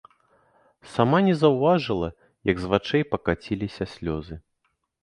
Сама не заўважыла, як з вачэй пакаціліся слёзы.